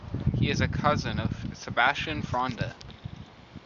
He is a cousin of Sebastian Fronda.